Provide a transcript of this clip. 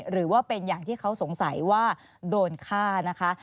หรือว่าเป็นอย่างที่เขาสงสัยว่าโดนฆ่านะคะ